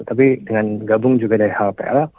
tapi dengan gabung juga dari hapl